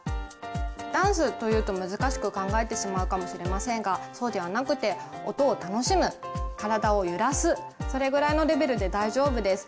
ダンスというと難しく考えてしまうかもしれませんがそうではなくて音を楽しむ体を揺らすそれぐらいのレベルで大丈夫です。